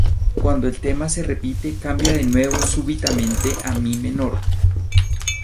Cuando el tema se repite, cambia de nuevo súbitamente a mi menor.